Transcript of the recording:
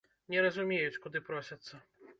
Не разумеюць, куды просяцца.